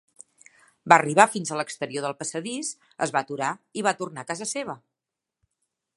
Va arribar fins a l'exterior de passadís, es va aturar i va tornar a casa seva.